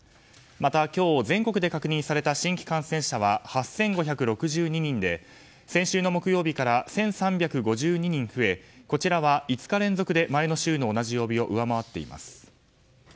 また、今日全国で確認された新規感染者は８５６２人で先週の木曜日から１３５２人増えこちらは５日連続で前の週の同じ曜日を上回っています。